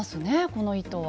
この糸は。